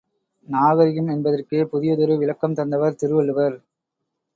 நாகரிகம் என்பதற்கே புதியதொரு விளக்கம் தந்தவர் திருவள்ளுவர்.